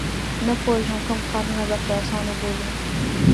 نه پوهیږي کوم ښارونه د خراسان وبولي.